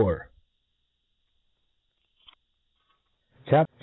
CHAP.